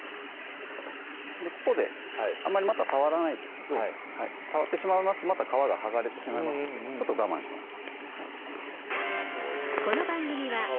ここであまり触らないように触ってしまいますとまた皮が剥がれてしまいますのでちょっと我慢します